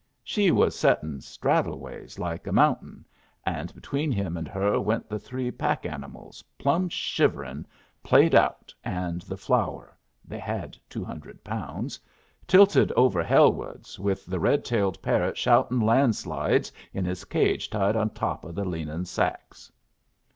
She was setting straddleways like a mountain, and between him and her went the three packanimals, plumb shiverin' played out, and the flour they had two hundred pounds tilted over hellwards, with the red tailed parrot shoutin' landslides in his cage tied on top o' the leanin' sacks.